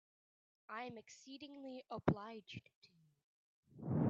I am exceedingly obliged to you.